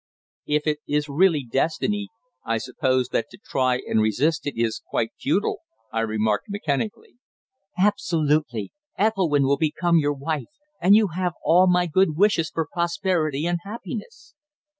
"If it is really destiny I suppose that to try and resist it is quite futile," I remarked mechanically. "Absolutely. Ethelwynn will become your wife, and you have all my good wishes for prosperity and happiness."